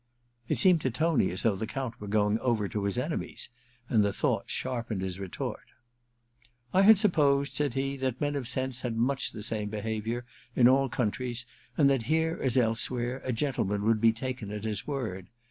It seemed to Tony as though the Count were going over to his enemies, and the thought sharpened his retort. ' I had supposed,' said he, ^ that men of sense had much the same behaviour in all countries, and that, here as elsewhere, a gentleman would be taken at his word.